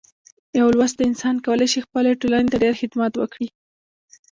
یو لوستی انسان کولی شي خپلې ټولنې ته ډیر خدمت وکړي.